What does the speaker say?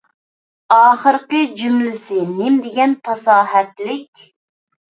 ئاخىرقى جۈملىسى نېمىدېگەن پاساھەتلىك!